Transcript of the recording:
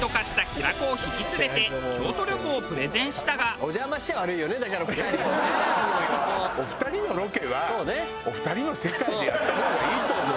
お二人のロケはお二人の世界でやった方がいいと思うんです私。